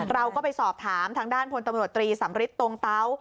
เราก็ไปสอบถามทางด้านพลตำรวจตรีสำริทตรงเตา